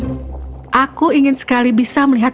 tuan aku ingin sekali bisa melihatmu